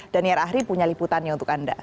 daniel ahri punya liputannya untuk anda